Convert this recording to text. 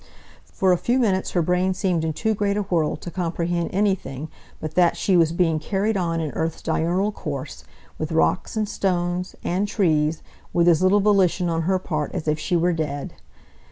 For a few minutes her brain seemed in too great a whirl to comprehend anything but that she was being carried on in earth's diurnal course, with rocks, and stones, and trees, with as little volition on her part as if she were dead.